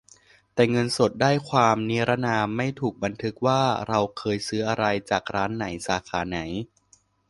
แต่เงินสดได้ความนรินาม ไม่ถูกบันทึกว่าเราเคยซื้ออะไร จากร้านไหน สาขาไหน